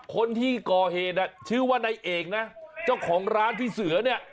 คนที่ก่อเหตุชื่อว่านายเอกนะเจ้าของร้านพี่เสือเนี่ย